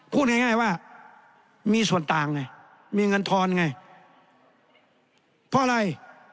พูดง่ายว่ามีส่วนต่างไงมีเงินทอนไงเพราะอะไร